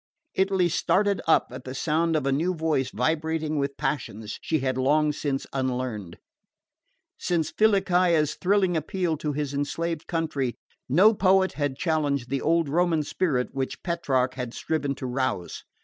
Italy started up at the sound of a new voice vibrating with passions she had long since unlearned. Since Filicaja's thrilling appeal to his enslaved country no poet had challenged the old Roman spirit which Petrarch had striven to rouse.